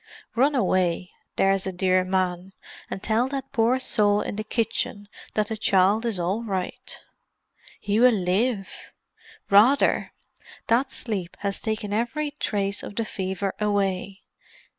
Run away, there's a dear man, and tell that poor soul in the kitchen that the child is all right." "He will live?" "Rather! That sleep has taken every trace of the fever away.